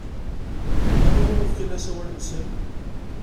Anwa umi fkan asawal-nsen?